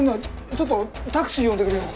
ちょっとタクシー呼んでくるよ！